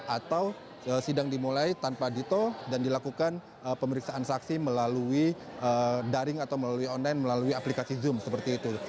atau sidang dimulai tanpa dito dan dilakukan pemeriksaan saksi melalui daring atau melalui online melalui aplikasi zoom seperti itu